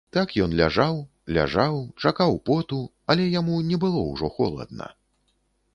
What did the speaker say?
Так ён ляжаў, ляжаў, чакаў поту, але яму не было ўжо холадна.